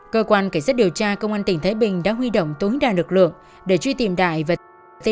cơ quan kể sức điều tra công an tỉnh thái bình đã huy động tối đa lực lượng để truy tìm đài và chị tâm